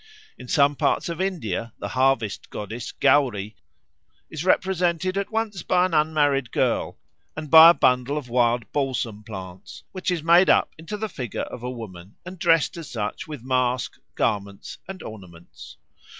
In some parts of India the harvest goddess Gauri is represented at once by an unmarried girl and by a bundle of wild balsam plants, which is made up into the figure of a woman and dressed as such with mask, garments, and ornaments.